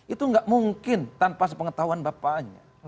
itu nggak mungkin tanpa sepengetahuan bapaknya